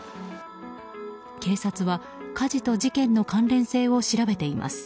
警察は火事と事件の関連性を調べています。